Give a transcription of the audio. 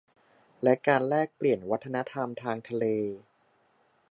และการแลกเปลี่ยนวัฒนธรรมทางทะเล